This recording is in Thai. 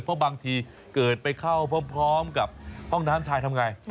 เพราะบางทีเกิดไปเข้าพร้อมกับห้องน้ำชายทำไง